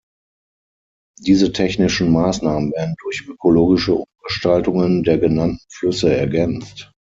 Diese technischen Maßnahmen werden durch ökologische Umgestaltungen der genannten Flüsse ergänzt.